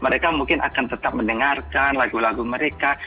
mereka mungkin akan tetap mendengarkan lagu lagu mereka